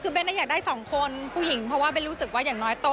คือเบ้นอยากได้สองคนผู้หญิงเพราะว่าเบ้นรู้สึกว่าอย่างน้อยโต